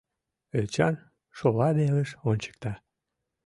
Эчан шола велыш ончыкта.